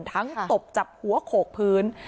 ตบจับหัวโขกพื้น